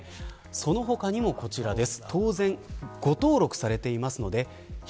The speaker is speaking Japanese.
その他にもこちらがあります。